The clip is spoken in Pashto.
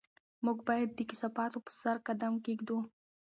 موږ باید د کثافاتو په سر قدم کېږدو.